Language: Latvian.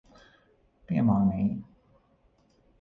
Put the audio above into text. Piemānīji.